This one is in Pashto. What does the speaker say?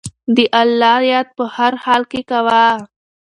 د الله یاد په هر حال کې کوه.